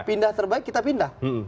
pindah terbaik kita pindah